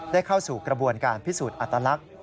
เข้าสู่กระบวนการพิสูจน์อัตลักษณ์